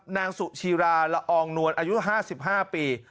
นางสุชีราละอองนวลอายุ๕๕ปี